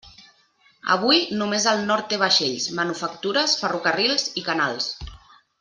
Avui, només el Nord té vaixells, manufactures, ferrocarrils i canals.